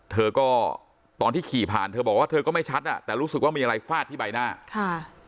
เธอก็ตอนที่ขี่ผ่านเธอบอกว่าเธอก็ไม่ชัดอ่ะแต่รู้สึกว่ามีอะไรฟาดที่ใบหน้าค่ะ